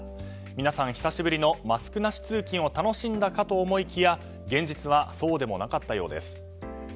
皆さん、久しぶりのマスクなし通勤を楽しんだかと思いきや現実はそうでもなかったようです。